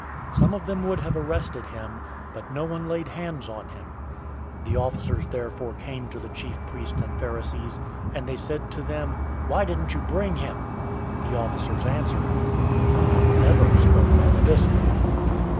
007:044 Some of them would have arrested him, but no one laid hands on him. 007:045 The officers therefore came to the chief priests and Pharisees, and they said to them, "Why didn't you bring him?" 007:046 The officers answered, "No man ever spoke like this man!"